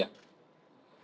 dan berapa jumlah pesawat